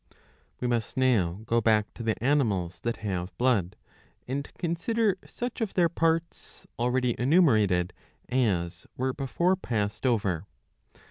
We must now go back to the animals that have blood, and consider such of their parts, already enumerated, as were before passed over.